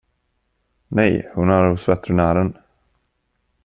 Nej, hon är hos veterinären.